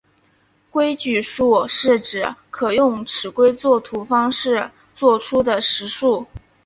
规矩数是指可用尺规作图方式作出的实数。